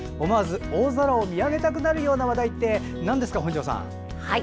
思わず大空を見上げたくなるような話題ってなんですか、本庄さん。